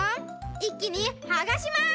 いっきにはがします！